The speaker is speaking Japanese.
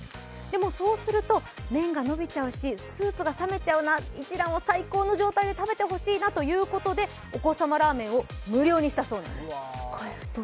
でも、そうすると麺がのびちゃうし、スープが冷めちゃうな一蘭を最高の状態で食べてほしいなということでお子様ラーメンを無料にしたそうなんです。